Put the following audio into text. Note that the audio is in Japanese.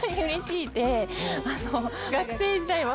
学生時代は。